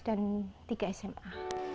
dan tiga sma